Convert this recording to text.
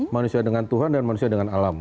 manusia dengan tuhan dan manusia dengan alam